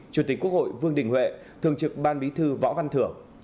chủ tịch quốc hội vương đình huệ thường trực ban bí thư võ văn thưởng